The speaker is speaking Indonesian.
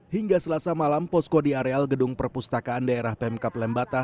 hingga selasa malam posko di areal gedung perpustakaan daerah pemkap lembata